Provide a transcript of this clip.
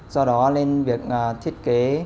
do đó nên việc thiết kế